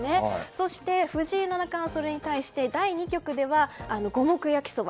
そして藤井七冠はそれに対して第２局では五目焼きそば。